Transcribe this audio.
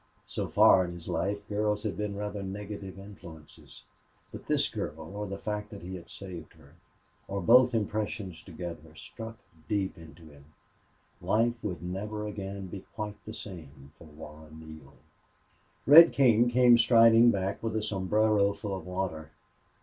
So far in his life girls had been rather negative influences. But this girl, or the fact that he had saved her, or both impressions together, struck deep into him; life would never again be quite the same to Warren Neale. Red King came striding back with a sombrero full of water.